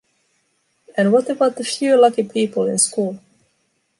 And what about the few lucky people in school?